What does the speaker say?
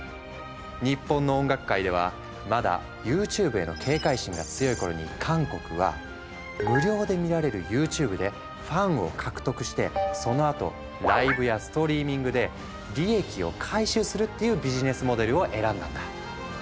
日本の音楽界ではまだＹｏｕＴｕｂｅへの警戒心が強い頃に韓国は無料で見られるＹｏｕＴｕｂｅでファンを獲得してそのあとライブやストリーミングで利益を回収するっていうビジネスモデルを選んだんだ。